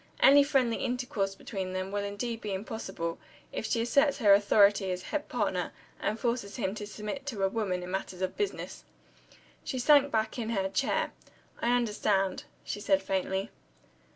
Any friendly intercourse between them will indeed be impossible, if she asserts her authority as head partner, and forces him to submit to a woman in a matter of business." She sank back in her chair. "I understand." she said faintly.